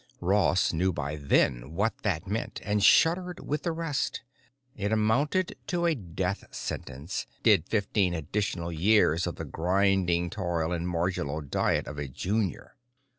Ross knew by then what that meant, and shuddered with the rest. It amounted to a death sentence, did fifteen additional years of the grinding toil and marginal diet of a junior.